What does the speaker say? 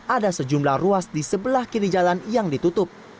ada sejumlah ruas di sebelah kiri jalan yang ditutup